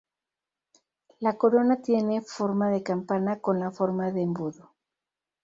La corona tiene forma de campana con la forma de embudo.